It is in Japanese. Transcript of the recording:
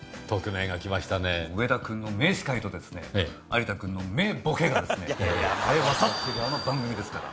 上田君の名司会とですね有田君の名ボケがですねさえ渡っているあの番組ですから。